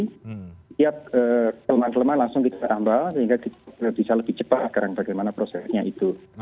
setiap kelemahan kelemahan langsung kita tambah sehingga bisa lebih cepat agar bagaimana prosesnya itu